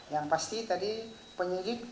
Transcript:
yang pasti tadi penyelidik